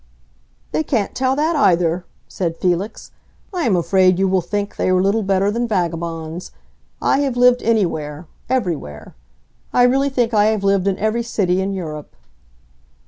"They can't tell that, either!" said Felix. "I am afraid you will think they are little better than vagabonds. I have lived anywhere—everywhere. I really think I have lived in every city in Europe."